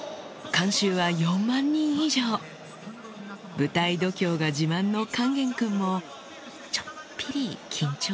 舞台度胸が自慢の勸玄君もちょっぴり緊張かな？